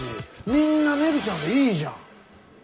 みんなメグちゃんでいいじゃん。